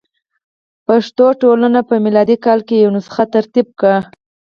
پښتو ټولنې په میلادي کال کې یوه نسخه ترتیب کړه.